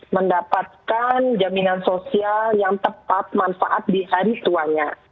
mendapatkan jaminan sosial yang tepat manfaat di hari tuanya